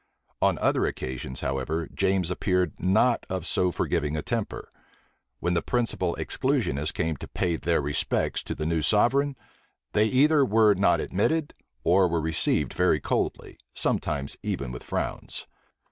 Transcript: On other occasions, however, James appeared not of so forgiving a temper. When the principal exclusionists came to pay their respects to the new sovereign, they either were not admitted, or were received very coldly, sometimes even with frowns.